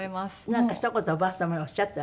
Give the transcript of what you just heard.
なんかひと言おばあ様におっしゃったら？